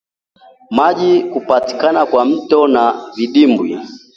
maji kupatikana kwa mtio na vidimbwa